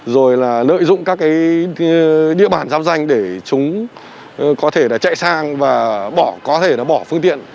rồi là lợi dụng các địa bàn giám danh để chúng có thể chạy sang và có thể bỏ phương tiện